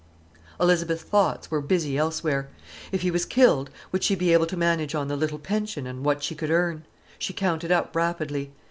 Elizabeth's thoughts were busy elsewhere. If he was killed—would she be able to manage on the little pension and what she could earn?—she counted up rapidly.